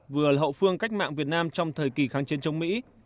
vừa hậu phương cách mạng việt nam trong thời kỳ kháng chiến chống mỹ